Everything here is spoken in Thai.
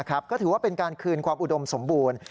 ก็ถือว่าเป็นการคืนความอุดมสมบูรณ์